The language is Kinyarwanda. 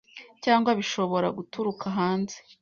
Cyangwa bishobora guturuka hanze